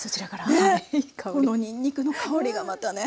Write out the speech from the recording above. ねこのにんにくの香りがまたね。